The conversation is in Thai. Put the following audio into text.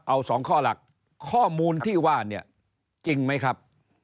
เอาสองข้อหลักข้อมูลที่ว่าเนี่ยจริงไหมครับ